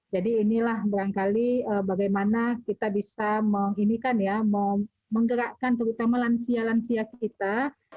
jadi inilah berangkali bagaimana kita bisa menggerakkan terutama lansia lansia kita